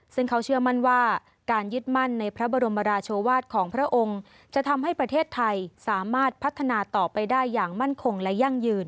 ซึ่งเขาเชื่อมั่นว่าการยึดมั่นในพระบรมราชวาสของพระองค์จะทำให้ประเทศไทยสามารถพัฒนาต่อไปได้อย่างมั่นคงและยั่งยืน